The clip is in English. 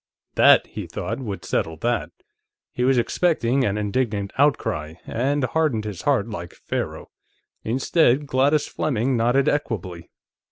That, he thought, would settle that. He was expecting an indignant outcry, and hardened his heart, like Pharaoh. Instead, Gladys Fleming nodded equably.